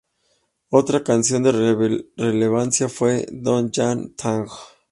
Otra canción de relevancia fue "Do Ya Thang".